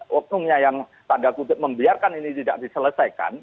waktunya yang tanda kucip membiarkan ini tidak diselesaikan